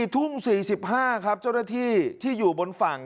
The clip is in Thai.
๔ทุ่ม๔๕ครับเจ้าหน้าที่ที่อยู่บนฝั่ง